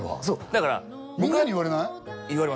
そうだからみんなに言われない？